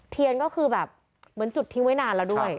เทียนก็คือแบบเหมือนจุดทิ้งไว้นานแล้วด้วย